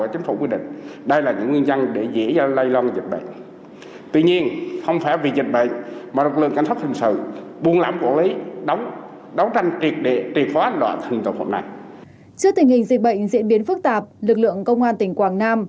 trước tình hình dịch bệnh diễn biến phức tạp lực lượng công an tỉnh quảng nam